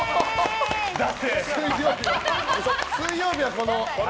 水曜日はこれ。